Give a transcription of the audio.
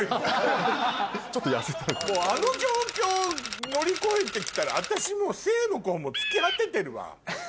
もうあの状況を乗り越えてきたら私もう精も根も尽き果ててるわ。